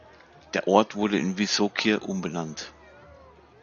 Der Ort wurde in „Wysokie“ umbenannt.